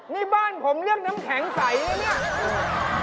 นี่บ้านผมเลือกน้ำแข็งใสนี่